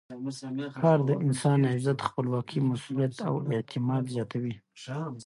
کار د انسان عزت، خپلواکي، مسؤلیت او اعتماد زیاتوي.